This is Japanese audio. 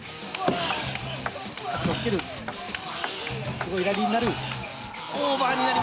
すごいラリーになる。